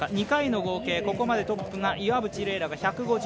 ２回の合計、ここまでトップが岩渕麗